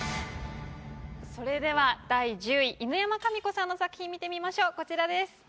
それでは第１０位犬山紙子さんの作品見てみましょうこちらです。